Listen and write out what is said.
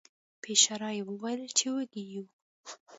په اشاره یې وویل چې وږي یو.